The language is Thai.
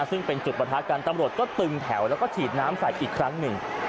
ซึ่งเป็นจุดประทะกันตำรวจก็ตึงแถวแล้วก็ฉีดน้ำใส่อีกครั้งหนึ่ง